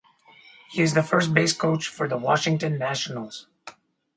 He is the first base coach for the Washington Nationals.